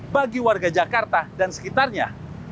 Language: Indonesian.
bagi warga jakarta dan sekitarnya